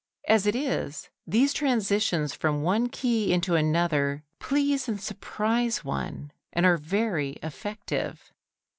As it is, these transitions from one key into another please and surprise one, and are very effective.